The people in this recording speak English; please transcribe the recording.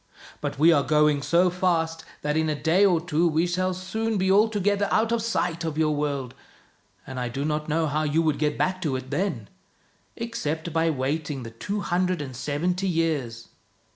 But we are going so fast that in a day or two we shall soon be altogether out of sight of your world, and I do not know how you would get back to it then, except by waiting the two hundred and seventy years."